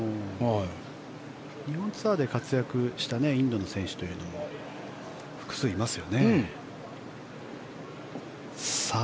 日本ツアーで活躍したインドの選手というのは複数いますよね。